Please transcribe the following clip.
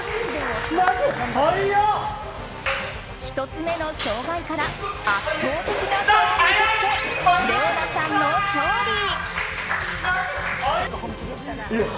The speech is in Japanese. １つ目の障害から圧倒的な差を見せつけレオナさんの勝利！